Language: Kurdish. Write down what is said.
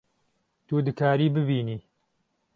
Tu dikarî bibînî